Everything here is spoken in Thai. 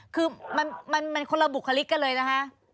คือมันคนละบุคลิกกันเลยนะคะ